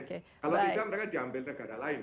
kalau tidak mereka diambil negara lain